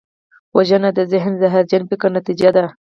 وژنه د ذهن زهرجن فکر نتیجه ده